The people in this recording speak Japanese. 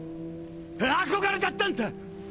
憧れだったんだ！